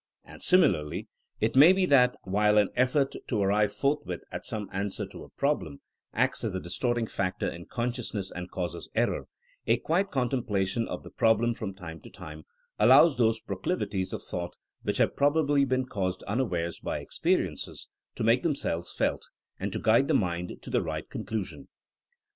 And, similarly, it may be that while an effort to ar THINEINO AS A SCIENCE 89 rive forthwith at some answer to a problem, acts as a distorting factor in consciousness and causes error, a quiet contemplation of the prob lem from time to time, allows those proclivities of thought which have probably been caused un awares by experiences, to make themselves felt, and to guide the mind to the right conclusion.